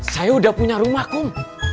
saya udah punya rumah kum